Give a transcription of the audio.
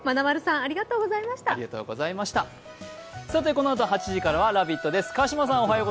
このあとは８時からは「ラヴィット！」です。